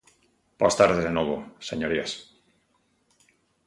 Boas tardes de novo, señorías.